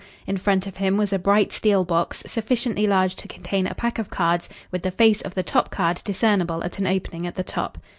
In front of him was a bright steel box sufficiently large to contain a pack of cards with the face of the top card discernible at an opening at the top.